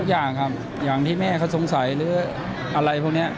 อย่างครับอย่างที่แม่เขาสงสัยหรืออะไรพวกนี้